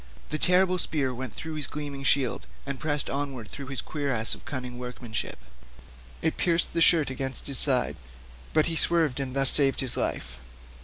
The terrible spear went through his gleaming shield, and pressed onward through his cuirass of cunning workmanship; it pierced the shirt against his side, but he swerved and thus saved his life.